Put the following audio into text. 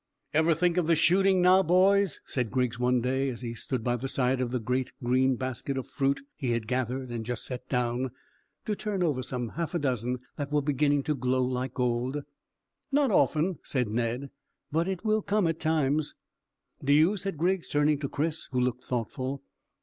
"Ever think of the shooting now, boys?" said Griggs one day, as he stood by the side of the great green basket of fruit he had gathered and just set down, to turn over some half a dozen that were beginning to glow like gold. "Not often," said Ned, "but it will come at times." "Do you?" said Griggs, turning to Chris, who looked thoughtful.